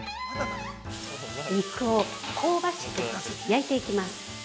◆肉を香ばしく焼いていきます。